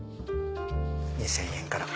２０００円から。